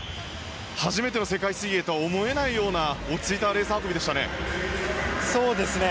初めての世界水泳とは思えないような落ち着いたレース運びでしたね。